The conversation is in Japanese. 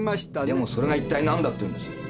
でもそれが一体なんだっていうんです？